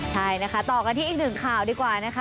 ใช่นะคะต่อกันที่อีกหนึ่งข่าวดีกว่านะคะ